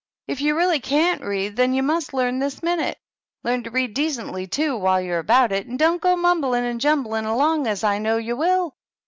"If you really canUt read, then you must learn this minute. Learn to read decently, too, while you're about it, and don't go mumbling and jumbling along, as I know you will.